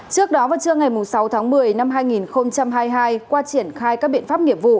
trước đó vào trưa ngày sáu tháng một mươi năm hai nghìn hai mươi hai qua triển khai các biện pháp nghiệp vụ